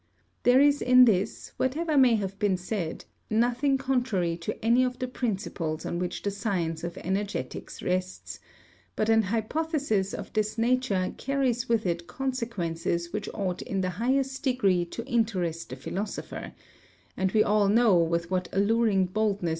There is in this, whatever may have been said, nothing contrary to any of the principles on which the science of energetics rests; but an hypothesis of this nature carries with it consequences which ought in the highest degree to interest the philosopher, and we all know with what alluring boldness M.